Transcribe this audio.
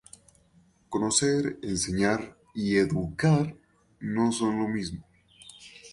Conocer, enseñar y educar no son lo mismo.